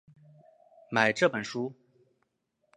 买这本书